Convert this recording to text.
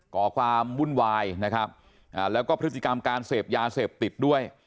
่อความวุ่นวายนะครับแล้วก็พฤติกรรมการเสพยาเสพติดด้วย